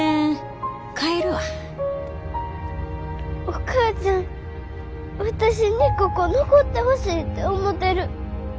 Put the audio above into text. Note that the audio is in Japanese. お母ちゃん私にここ残ってほしいて思てる。